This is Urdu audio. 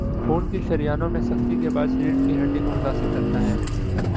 خون کی شریانوں میں سختی کے باعث ریڑھ کی ہڈی کو متاثر کرتا ہے